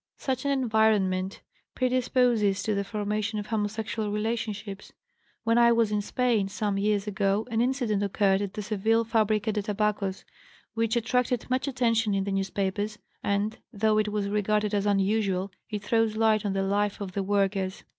Such an environment predisposes to the formation of homosexual relationships. When I was in Spain some years ago an incident occurred at the Seville Fábrica de Tabacos which attracted much attention in the newspapers, and, though it was regarded as unusual, it throws light on the life of the workers.